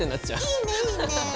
いいねいいね。